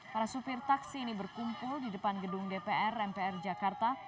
para supir taksi ini berkumpul di depan gedung dpr mpr jakarta